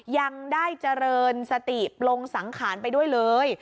ยังได้เจริญสติปลงสังขารไปด้วยเลย